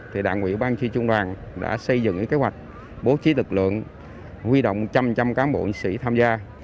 thì đảng ủy ban tri trung đoàn đã xây dựng cái kế hoạch bố trí lực lượng huy động trăm trăm cán bộ chiến sĩ tham gia